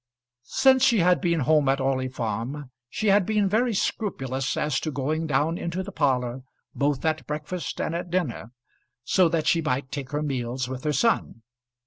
Since she had been home at Orley Farm she had been very scrupulous as to going down into the parlour both at breakfast and at dinner, so that she might take her meals with her son.